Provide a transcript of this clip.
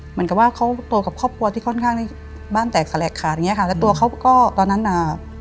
เหมือนกับว่าเขาโตกับครอบครัวที่ค่อนข้างในบ้านแตกแสลกขาดอย่างเงี้ค่ะแล้วตัวเขาก็ตอนนั้นอ่า